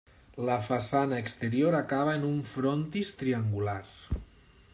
La façana exterior acaba en un frontis triangular.